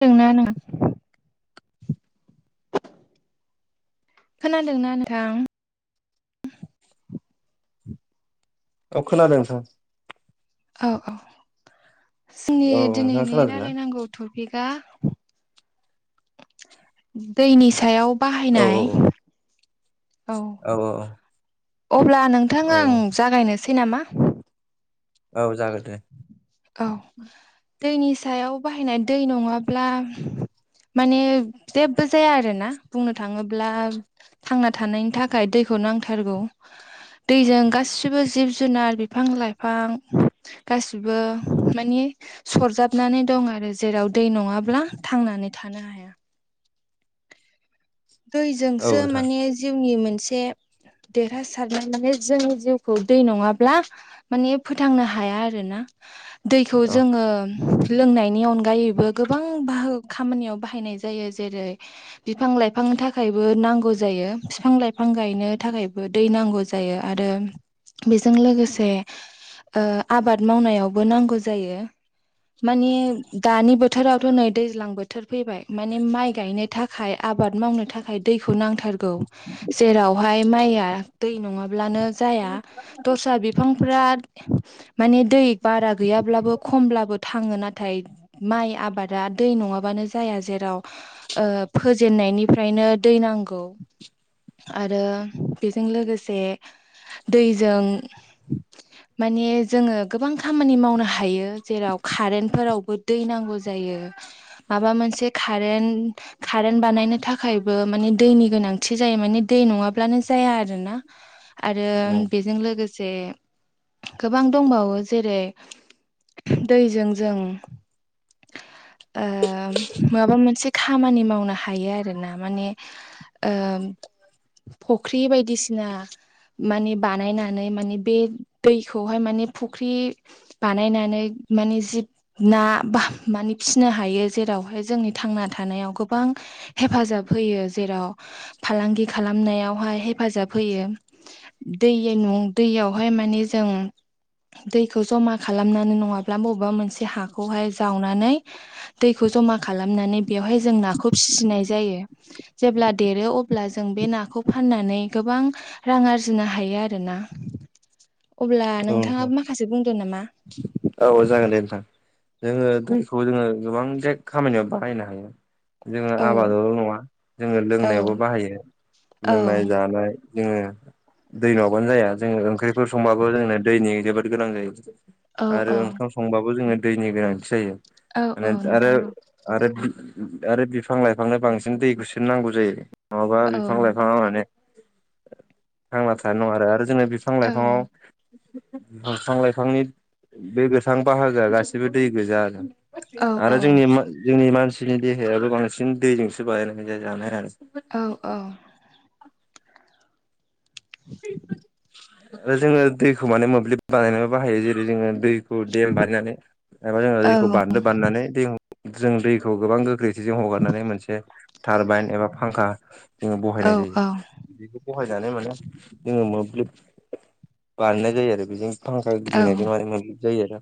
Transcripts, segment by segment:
नोंगोना नोङा खोनादोंना नोंथां? अ खोनादों नोंथां। औ औ जोंनि औ नोंथाङा दिनैनि खोनादों ना रायलायनांगौ टपिकआ दैनि सायाव औ बाहायनाय औ अब्ला नोंथां औ आं जागायनोसै नामा? औ जागोन। दे औ दैनि सायाव बाहायनाय दै नङाब्ला माने जेबो जाया आरोना बुंनो थाङोब्ला थांना थानायनि थाखाय दै खौ नांथारगौ दैजों गासिबो जिब जुनार बिफां लाइफां गासिबो मानि सरजाबनानै दं आरो जेराव दै नङाब्ला थांनानै था नो हाया। औ दैजोंसो नोंथां माने जिउनि मोनसे देरहासारनाय माने जोंनि जिउखौ दै नङाब्ला माने फोथांनो हाया आरो ना। दैखौ औ जोङो लोंनायनि अनगायैबो गोबां बाहो खामानियाव बाहायनाय जायो। जेरै बिफां लाइ बिफांनि थाखायबो नांगौ जायो फिफां लाइफां गायनो थाखायबो दै नांगौ जायो। आरो बेजों लोगोसे आबाद ओ मावनायावबो नांगौ जायो। मानि दानि बोथोरावथ' नै दैज्लां बोथोर फैबाय मानि माइ गायनो थाखाय आब आबाद मावनो थाखाय दैखौ नांथारगौ जेरावहाय माइआ दै नङाब्लानो जाया दस्रा बिफांफ्रा माने दै बारा गैयाब्लाबो खमब्लाबो थाङो नाथाय माइ आबादा दै न नङाबानो जाया जेराव ओ फोजेननायनिफ्रायनो दै नांगौ। आरो बेजों लोगोसे दैजों माने जोङो गोबां खामानि मावनो हायो। जेराव कारेन्टफोराव बो दै नांगौ जायो माबा मोनसे खारेन्ट खा रेनट बानायनो थाखायबो माने दैनि गोनांथि जायो मानि दै नङाब्लानो जाया आरोना। आरो औ बेजों लोगोसे गोबां दंबावो जेरै दैजों जों ओ माबा मोनसे खामानि मावनो हा हायो आरोना माने ओ फख्रि बायदिसिना माने बानायनानै माने बे दैखौहाय मानि फुख्रि बानायनानै माने जिब ना माने फिसिनो हायो जेरावहाय जोंनि थांना थानायाव गोबां हेफाजाब होयो जेराव फालांगि खालामनायावहाय हेफाजाब होयो। दै यै न' दैयावहाय माने जों दैखौ जमा खालामनानै नङाब्ला मबबा मोनसे हाखौहाय जावनानै दैखौ जमा खालामनानै बेवहाय जों ना खौ फिसिनाय जायो जेब्ला देरो अब्ला जों बे नाखौ फाननानै गोबां रा रां आरजिनो हायो आरोना। अब्ला औ नोंथां नोंथाङाबो माखासे बुंदो नामा औ जागोन दे नोंथां। जोङो दैखौ जोङो गोबां जे खामानियाव बाहायनो हायो। जोङो औ आबादावल' नङा जोङो औ लोंनायावबो बाहायो। औ लोंनाय जानाय। जोङो दै नङाबानो जाया जोङो ओंख्रिफोर संबाबो जोंनो दैनि जोबोद गोनां जायो। औ आरो औ ओंखाम संबाबो जोङो दैनि गोनांथि जायो। औ औ माने आरो नोंथां औ आरो आरो बिफां लाइफांनो बांसिन दै खुसो नांगौ जायो नङाबा औ बिफां लाइफाङा माने थांना थानाय नङा आरो आरो जोङो बिफां औ लाइफाङाव बिंफां लाइफांनि बे गोथां बाहागोआ गासिबो दै गोजा आरो। औ औ आरो जोंनि मान जोंनि मानसिनि देहायाबो बांसिन दैजोंसो बानाय [unintelligible] औ जोङो दैखौ माने मोब्लिब बानाय बाहायो जेरै जोङो दै [unintelligible] बानायनानै एबा जोङो औ दैखौ बान्दो बानायनानै दै जों दैखौ गोबां गोख्रै बेजों हगारनानै मोनसे तारबाइन एबा फांखा जोङो औ बहायनाय जायो औ बेखौ बहाय नानै माने जों मोब्लिब बानायनाय जायो आरो बेजों फांखा दिनायजों माने मोब्लिब जायो आरो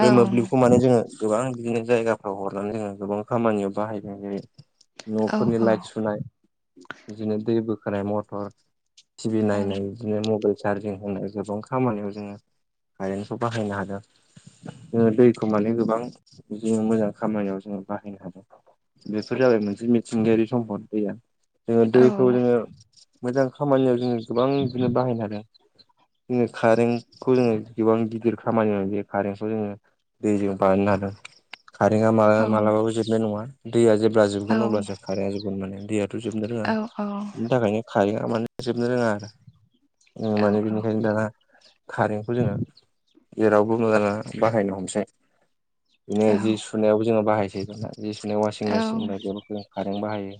बे मोब्लिबखौ माने जोङो गोबां बिदिनो जायगाफ्राव हरनानै जोङो गोबां खामानियाव बाहायदों जेरै औ न'फोरनि लाइट सुनाय बिदिनो दै बोखानाय मटर टिभि नायनाय बिदिनो मबाइल चार्जिं होनाय गोबां खामानियाव जोङो कारेन्टखौ बाहायनो हादों जोङो दैखौ माने गोबां बिदि मोजां खामानियाव जोङो बाहायनो हादों बेफोर जाबाय मोनसे मिथिंगायारि सम्पद दैया जोङो दैखौ जोङो मोजां खामानियाव जोङो गोबां बिदिनो बाहायनो हादों [inaudible] जोङो कारेन्टखौ जोङो गोबां गिदिर खामानि मोनो बे कारेन्टखौ जोङो दैजों बानायनो हादों [inaudible] कारेन्टा मालाबाबो जोबनाय नङा दैया जोब ब्ला जोबगोन अब्लासो खारेङा जोबगोन माने दैयाथ' जोबनो औ रोङा औ बेनि थाखायनो खारेङा माने जोबनो रोङा आरो औ माने बेनिखायनो दाना कारेन्टखौ जोङो जेरावबो बाहायनो हमसै बिनि उनाव जि सुनायावबो जोङो बाहायसै दा जि‌ सुनामयाव वासिं मेसिन बायदि [unintelligible] बाहायो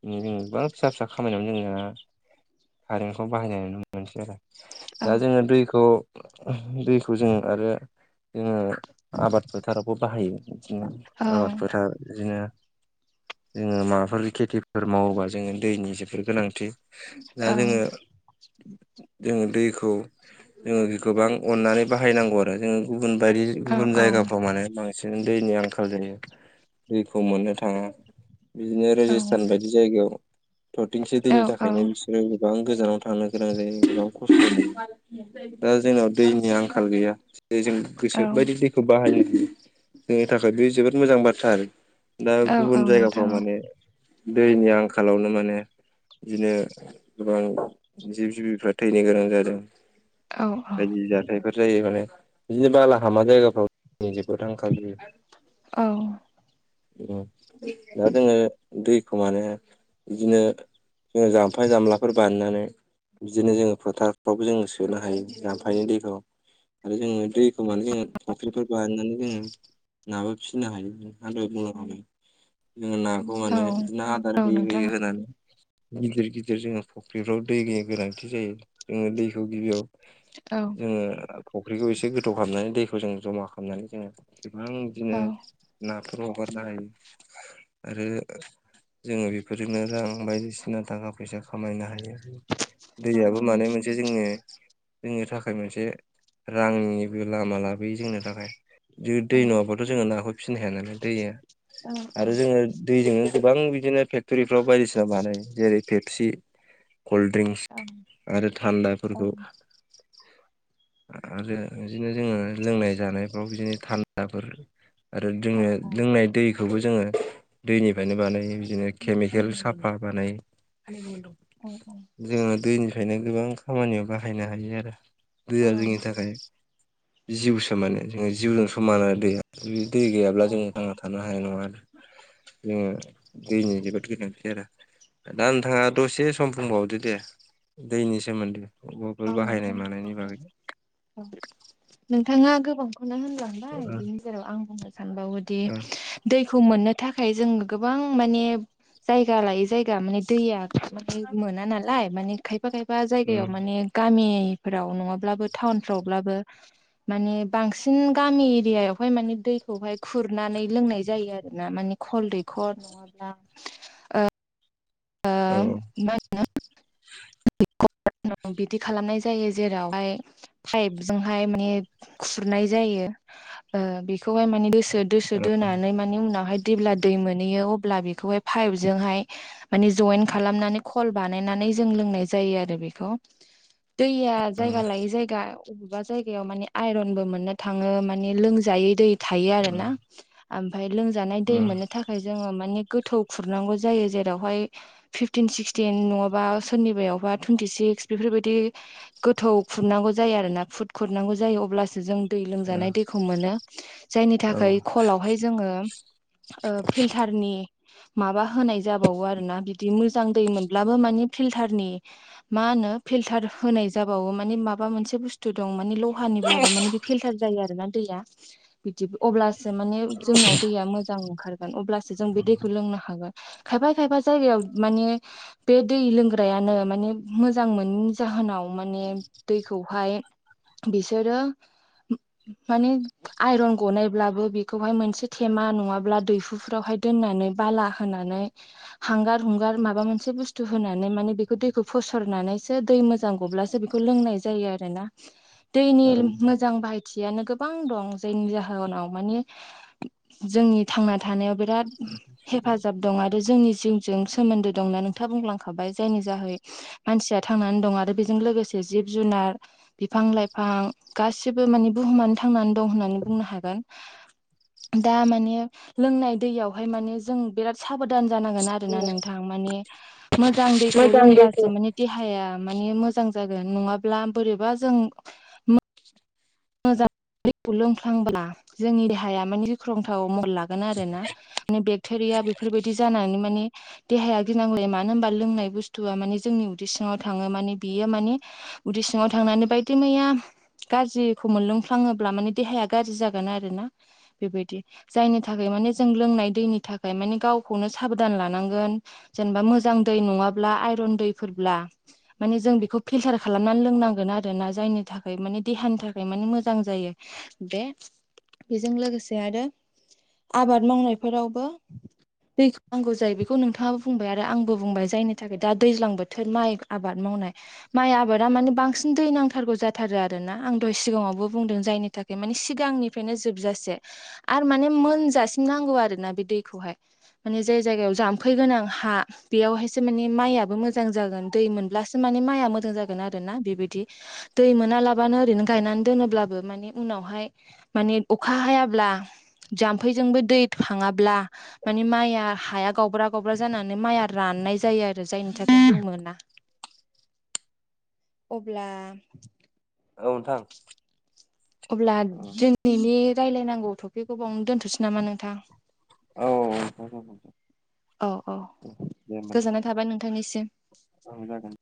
बिनो जों गोबां फिसा फिसा खामानियावनो जोंहा कारेंखौ बाहायनाय नुनो मोनसै आरो दा जोङो दैखौ दैखौ जोङो आरो जोङो आबाद फोथारावबो बाहायो बिदिनो आबादफोरा बिदिनो जोङो माबाफोर खेथिफोर मावोबा जोङो दैनि जोबोर गोनांथि दा जोङो जोङो दैखौ जोङो गोबां अननानै बाहायनांगौ आरो जोङो गुबुन बायदि औ गुबुन जायगाफ्राव माने बांसिन दैनि आंखाल जायो दैखौ मोननो थाङा बिदिनो राजस्थान बायदि जायगायाव थरथिंसे दैनि थाखायनो बिसोरो गोबां गोजानाव थां थांनो गोनां जायो गोबां खस्थ'नि दा जोंनाव दैनि आंखाल गैया जों औ गोसो बायदि दैखौ बाहायनो हायो जोंनि थाखाय बे जोबोद मोजां बाथ्रा आरो दा औ औ गुबुन जायगाफ्राव नोंथां माने दैनि आंखालावनो माने बिदिनो गोबां जिब जिबिफ्रा थैनो गोनां जादों औ बायदि जाथायफोर जायो माने बिदिनो बालाहामा जायगाफ्राव जेनिबो आंखाल औ [unintelligible] दा जोङो दैखौ माने बिदिनो जोङो जाम्फै जामलाफोर बानायनानै बिदिनो जोङो फोथारफ्रावबो जोङो सोनो हायो जाम्फैनि दैखौ आरो जोङो दैखौ माने जोङो फख्रिफोर बानायनानै जोङो नाबो फिसिनो हायो आं दहाय बुंलांखाबाय जों नाखौ औ माने ना औ आदार होयै नोंथां होयै होनानै गिदिर गिदिर जोङो फुख्रिफ्राव दैनि गोनांथि जायो जोङो दैखौ गिबियाव औ जोङो फुख्रिखौ एसे गोथाव खालामनानै दैखौ जों जमा खालामनानै जोङो गोबां औ बिदिनो नाफोर हगारनो हायो आरो जोङो बेफोरजोंनो रां बायदिसिना सिना थाखा फैसा खामायनो हायो औ दैयाबो माने मोनसे औ औ जोङो जोंनि थाखाय मोनसे रांनिबो लामा लाबोयो जोंनो थाखाय जो दै नङाब्लााथ' जोङो नाखौ फिसिनो हाया नालाय दैया आरो जोङो दैजों गोबां बिदिनो फेक्ट'रिफ्राव बायदिसिना बानायो जेरै फेपसि कल्ड ड्रिंक्स आरो थान्दाफोरखौ आरो बिदिनो जोङो लोंनाय जानायफ्राव बिदिनो थान्दाफोर आरो जोङो लोंनाय दै खौबो जोङो दैनिफ्रायनो बानायो बिदिनो केमिकेल साफा बानायो जोङो दैनिफ्रायनो गोबां खामानियाव बाहायनो हायो आरो दैया जोंनि थाखाय जिउसो माने जोङो जिउजों समान आरो दैया दै गैयाब्ला जोङो थांना थानो हानाय नङा आ जोङो दैनि जोबोत गोनांथि आरो दा नोंथाङा दसे सम बुंबावदो दे दैनि सोमोन्दै अबावबाफोर बाहायनाय नोंथां मानायनि बागै नों ओ होनलांबाय बिनि गेजेराव आं बुंनो सानबावयोदि ओ दैखौ मोननो थाखाय जों गोबां माने जायगा लायै जायगा माने दैया माने मोना नालाय माने खायफा खायफा उम जायगायाव माने गामिफ्राव नङाब्लाबो टाउनफ्रावब्लाबो माने बांसिन गामि एरिया यावहाय माने दैखौ हाय खुरनानै लोंनाय जायो आरो ना माने कल दैखर नङाब्ला ओ ओ औ मा होनो [unintelligible] बिदि खालामनाय जायो जेराव हाय पाइप जोंहाय माने खुरनाय जायो ओ बेखौहाय माने दोसो सो दोसो दोनानै मानि उनावहाय जेब्ला दै मोनैयो अब्ला बेखौहाय पाइपजोंहाय हा मानि जयेन खालामनानै कल बानायनानै जों लोंनाय जायो आरो बेखौ दैया उम जायगा लायै जायगा याव बबेबा जायगायाव माने आयरनबो मोननो थाङो माने लोंजायै दै थायो आरो उम ना आमफाय लोंजानाय दै उम मोननो थाखाय जोङो मानिे गोथौ खुरनांगौ जायो जेरावहाय फिफटिन सिक्सटिन नङाबा सोरनिबायावफा टुइनटि सिक्स बेफोरबायदि गोथौ खुरनांगौ जायो आरोना फुद खुरनांगौ जायो अब्लासो जों दै औ लोंजानाय दैखौ मोनो जायनि थाखाय औ खलावहाय जोङो ओ फिल्टारनि माबा होनाय जाबावो आरोना बिदि मोजां दै मोनब्लाबो माने फिलटारनि मा होनो फिल्टार होनाय जाबावो माने माबा मोनसे बुस्थु दं माने लहानिब्लाबो बेयो फिल्टार जायो आरोना दैया बिदि अब्ला से माने जोंनाव दैया मोजां ओंखारगोन अब्लासो जों बे दैखौ लोंनो हागोन खायफा खायफा जायगायाव मानि बे दै लोंग्रायानो माने मोजां मोनिनि जाहोनाव माने दैखौहाय बिसोरो उब माने आइरन गनायब्लाबो बेखौहाय मोनसे थेमा नङाब्ला दैहुफ्रावहाय दोननानै बाला होनानै हांगार हुंगार माबा मोनसे बुस्थु होनानै माने बेखौ दैखौ फोसरनानैसो दै मोजां गब्लासो बेखौ लोंनाय जायो आरोना दैनि मोजां थियानो गोबां दं जायनि जाहोनाव मानि जोंनि थांना थानायाव बिराद हेफाजाब दं आरो जोंनि जिउजों सोमोन्दो दंना नोंथाङा बुंलांखाबाय जायनि जाहै मानसिया थांनानै दं आरो बेजों लोगोसे जिब जुनार बिफां लाइफां गासिबो मानि बुहुमानो थांनानै दं होननानै बुंनो हागोन हा दा माने लोंनाय दैयावहाय माने जों बिराद साबोधान जानां गोन आरो ना नोंथां माने मोजां दैखौ मोजां दे दे लोंब्लासो माने देहाया मानि मोजां जागोन नङाब्ला बोरैबा जों मोजां दैखौ लोंफ्लांब्ला जोंनि देहाया माने गिख्रंथाव महर लागोन आरोना माने बेक्टेरिया दा बेफोरबायदि जानानै माने देहाया गिनांलाय मानो होनबा लोंनाय बुस्थुआ माने जोंनि उदै सिङाव थाङो ओ माने बियो माने उदै सिङाव थांनानै बायदिमैया गाज्रि खौ मोनलोंफ्लाङोब्ला माने देहाया गाज्रि जागोन आरोना बेबायदि जायनि थाखाय माने जों लों नाय दैनि थाखाय माने गावखौनो साबधान लानांगोन जेनेबा मोजां दै नङाब्ला आइरन दै फोरब्ला माने जों बेखौ फिल्टार खालामनानै लोंनांगोन आरोना जायनि थाखाय माने देहानि थाखाय माने मोजां जायो बे बेजों लोगोसे आरो आबाद मावनायफोरावबो दैखौ नांगौ जायो बेखौ नोंथाङाबो बुंबाय आरो आंबो बुंबाय जायनि थाखाय दा दैज्लां बोथोर माइ आबाद मावा माइ आबादा माने बांसिन दै नांथारगौ जाथारो आरोना आं दहाय सिगाङावबो बुंदों जायनि थाखाय माने सिगांनिफ्रायनो जोबजासे आरो माने मोनजासिम नांग नांगौ आरोना बे दैखौहाय माने जाय जायगायाव जाम्फै गोनां हा बेयावहायसो माने माइयाबो मोजां जागोन दै मोनब्लासो माने माया मोजां जागोन आरोना बिबायदि दै मोनालाबानो ओरैनो माइया गायनानै दोनोब्लाबो माने उनावहाय मानि अखा हायाब्ला जामफैजोंबो दै थाङाब्ला माने माइआ हाया गावब्रा गावब्रा जानानै माइआ राननाय जायो आरो जायनि थाखाय मोना अब्ला औ नोंथां अब्ला औ दिनैनि रायलायनांगौथ' बे गोबाव दोनथ'सै नामा नोंथां औ औ औ दे होमबालाय गोजोननाय थाबाय नोंथांनिसिम जागोन